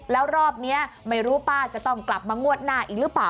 แล้วรอบนี้ไม่รู้ป้าจะต้องกลับมางวดหน้าอีกหรือเปล่า